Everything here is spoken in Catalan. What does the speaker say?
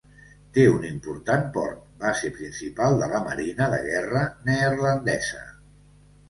Té un important port, base principal de la marina de guerra neerlandesa.